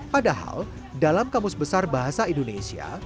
padahal dalam kamus besar bahasa indonesia